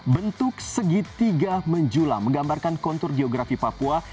bentuk segitiga menjula menggambarkan kontur geografi papua